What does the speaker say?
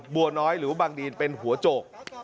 บัวน้อยหรือว่าบางดีนเป็นหัวโจก